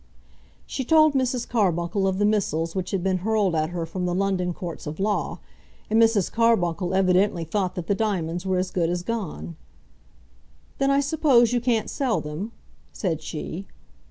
She told Mrs. Carbuncle of the missiles which had been hurled at her from the London courts of law, and Mrs. Carbuncle evidently thought that the diamonds were as good as gone. "Then I suppose you can't sell them?" said she.